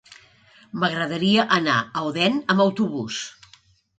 M'agradaria anar a Odèn amb autobús.